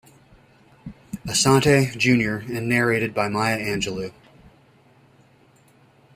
Asante, Junior and narrated by Maya Angelou.